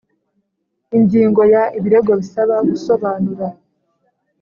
Ingingo ya Ibirego bisaba gusobanura